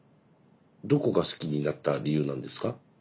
どこが好きになった理由なんですか？